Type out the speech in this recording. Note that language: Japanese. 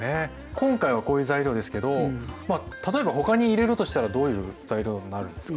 今回はこういう材料ですけど例えば他に入れるとしたらどういう材料になるんですか？